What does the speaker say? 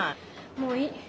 もういい。